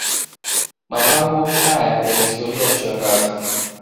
mapango haya yana historia ya kushangaza